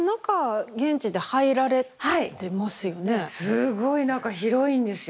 すごい中広いんですよ。